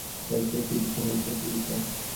প্রায়ই তাহাকে অনেক রাত্রে আপিস হইতে ফিরিতে হইত।